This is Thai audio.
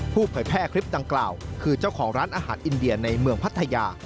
เผยแพร่คลิปดังกล่าวคือเจ้าของร้านอาหารอินเดียในเมืองพัทยา